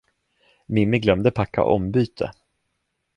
Mimmi glömde packa ombyte.